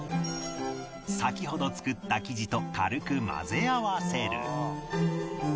先ほど作った生地と軽く混ぜ合わせる